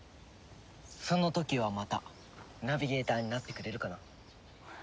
その時はまたナビゲーターになってくれるかな？